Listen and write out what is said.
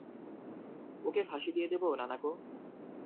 ওকে ফাঁসি দিয়ে দিব, নানাকো?